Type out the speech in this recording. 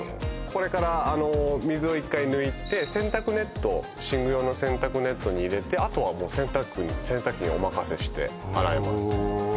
これからあの水を一回抜いて洗濯ネット寝具用の洗濯ネットに入れてあとはもう洗濯機にお任せして洗えます